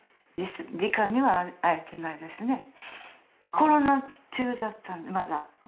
コロナ中だったので、まだ。